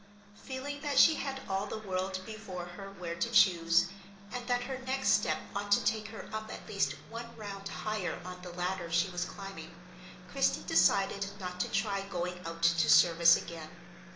Feeling that she had all the world before her where to choose, and that her next step ought to take her up at least one round higher on the ladder she was climbing, Christie decided not to try going out to service again.